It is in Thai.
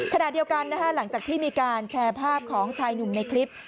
ขณะเดียวกันหลังจากที่มีการแชร์ภาพของชายหนุ่มในคลิป